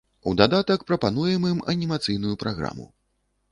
У дадатак прапануем ім анімацыйную праграму.